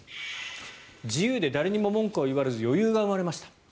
自由で誰にも文句を言われず余裕が生まれました。